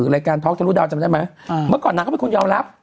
รายการท็อกทะลุดาวจำได้ไหมเมื่อก่อนนางก็เป็นคนยอมรับ